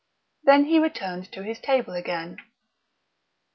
Then he returned to his table again....